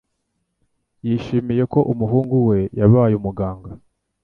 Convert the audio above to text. Yishimiye ko umuhungu we yabaye umuganga.